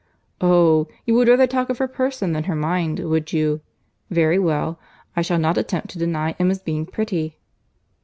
"Oh! you would rather talk of her person than her mind, would you? Very well; I shall not attempt to deny Emma's being pretty."